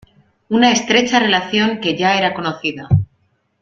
Una estrecha relación que ya era conocida.